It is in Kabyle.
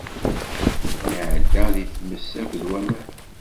Nɛedda di tmes akked waman.